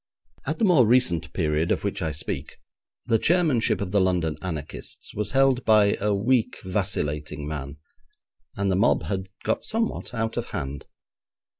At the more recent period of which I speak, the chairmanship of the London anarchists was held by a weak, vacillating man, and the mob had got somewhat out of hand.